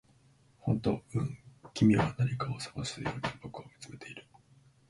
「本当？」「うん」君は何かを探るように僕を見つめる